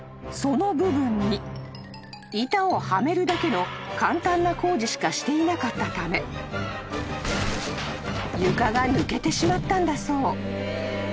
［その部分に板をはめるだけの簡単な工事しかしていなかったため床が抜けてしまったんだそう］